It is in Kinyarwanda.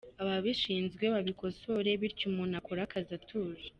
Ababishinzwe babikosore bityo umuntu akore akazi atuje.